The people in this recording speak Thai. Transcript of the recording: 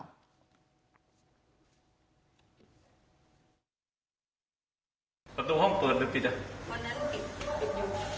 ประตูห้องเปิดหรือปิด